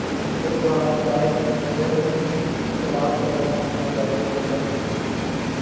اس دوران قائد ائیرکنڈیشنڈ انقلاب کا رونا دھونا جاری رہے گا۔